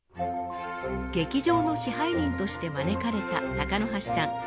劇場の支配人として招かれた鷹箸さん。